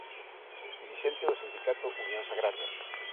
Dirixente do sindicato Unións Agrarias.